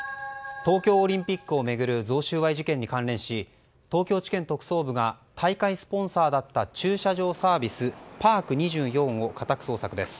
東京オリンピックを巡る贈収賄事件に関連し東京地検特捜部は大会スポンサーだった駐車場サービスパーク２４を家宅捜索です。